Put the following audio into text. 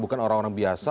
bukan orang orang biasa